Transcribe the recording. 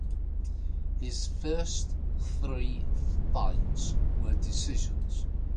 His first three fights were decisions.